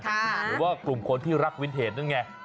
หรือว่ากลุ่มคนที่รักวินเทจนั่นไง